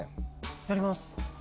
やります。